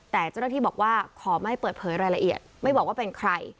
แต่เจ้าหน้าที่บอกว่าขอไม่เปิดเผยรายละเอียดไม่บอกว่าเป็นใคร